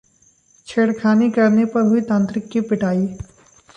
छेड़खानी करने पर हुई तांत्रिक की पिटाई